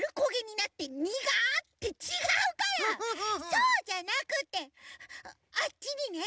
そうじゃなくてあっちにね